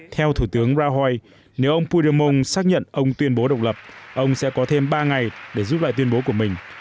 theo thủ tướng rahui nếu ông fudermon xác nhận ông tuyên bố độc lập ông sẽ có thêm ba ngày để giúp lại tuyên bố của mình